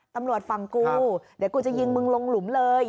ตำรวจฝั่งกูเดี๋ยวกูจะยิงมึงลงหลุมเลย